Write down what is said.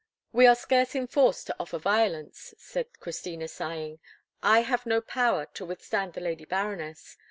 "We are scarce in force to offer violence," said Christina sighing. "I have no power to withstand the Lady Baroness.